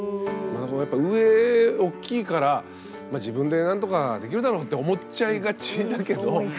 またやっぱ上おっきいから自分で何とかできるだろうって思っちゃいがちだけど。